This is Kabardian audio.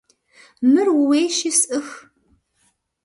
Мыр ууейщи, сӏых.